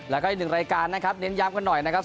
แล้วก็อีกหนึ่งรายการนะครับเน้นย้ำกันหน่อยนะครับ